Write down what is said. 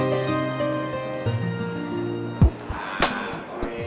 pak saya perlu bisik dulu ya